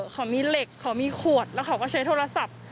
เขามีเหล็กเขามีขวดแล้วเขาก็ใช้โทรศัพท์